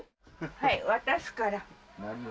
はい渡すから何を？